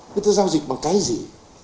người ta giao dịch bằng cái gì